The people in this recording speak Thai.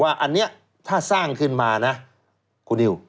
ว่าอันนี้ถ้าสร้างขึ้นมานะคุณนิว